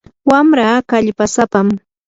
wamraa kallpasapam.